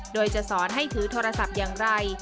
โดยจะสอนให้ถือโทรศัพท์อย่างไร